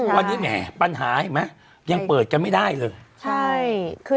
วันนี้แหมปัญหาให้ไหมยังเปิดจะไม่ได้เลย